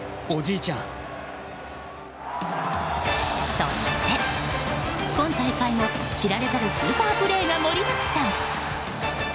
そして、今大会も知られざるスーパープレーが盛りだくさん！